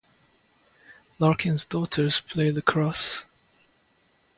Larkin's daughters play lacrosse.